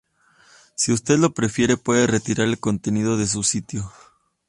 Si usted lo prefiere, puede retirar el contenido de su sitio.